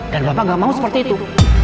dan bapak gak mau seperti itu